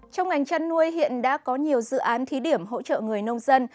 trong ngành chăn nuôi hiện đã có nhiều dự án thí điểm hỗ trợ người nông dân